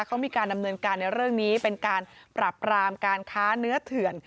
เขามีการดำเนินการในเรื่องนี้เป็นการปรับรามการค้าเนื้อเถื่อน